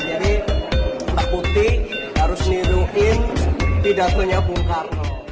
jadi pak putih harus niruin pidatonya bung karno